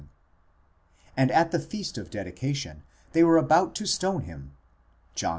and at the Feast of Dedication they were about to stone him (John x.